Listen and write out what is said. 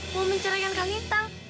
mau mencerahkan kak kalintang